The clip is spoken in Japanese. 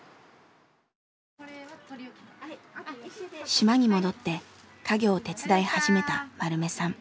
島に戻って家業を手伝い始めた丸目さん。